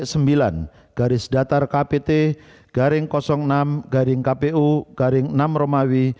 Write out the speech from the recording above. hai namanya dan sebagai pengen memilih intelligentsia setelah bush dokter maria